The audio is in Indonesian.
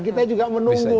kita juga menunggu